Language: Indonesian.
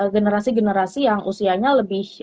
generasi generasi yang usianya lebih